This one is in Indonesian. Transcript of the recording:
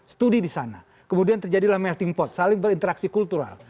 studi di sana kemudian terjadilah melting pot saling berinteraksi kultural